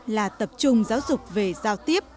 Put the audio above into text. là tập trung giáo dục về giao tiếp